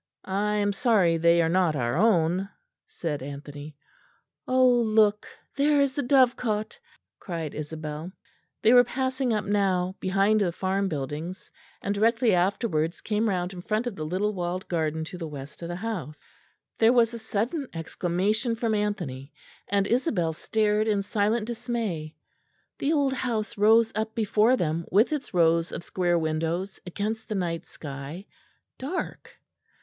"I am sorry they are not our own," said Anthony. "Ah, look! there is the dovecote," cried Isabel. They were passing up now behind the farm buildings; and directly afterwards came round in front of the little walled garden to the west of the house. There was a sudden exclamation from Anthony; and Isabel stared in silent dismay. The old house rose up before them with its rows of square windows against the night sky, dark.